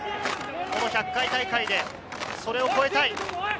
１００回大会でそれを超えたい。